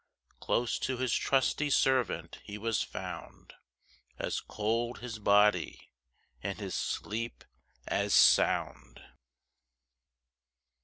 Close to his trusty servant he was found, As cold his body, and his sleep as sound.